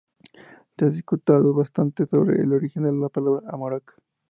Se ha discutido bastante sobre el origen de la palabra Amarok.